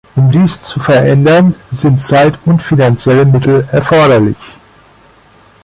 Um dies zu verändern, sind Zeit und finanzielle Mittel erforderlich.